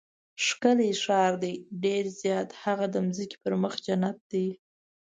ښکلی ښار دی؟ ډېر زیات، هغه د ځمکې پر مخ جنت دی.